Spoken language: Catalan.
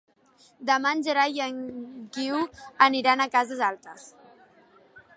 Demà en Gerai i en Guiu aniran a Cases Altes.